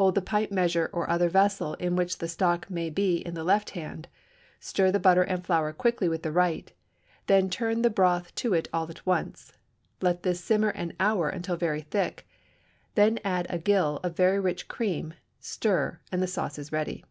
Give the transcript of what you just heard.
Hold the pint measure or other vessel in which the stock may be in the left hand, stir the butter and flour quickly with the right, then turn the broth to it all at once. Let this simmer an hour until very thick, then add a gill of very rich cream, stir, and the sauce is ready.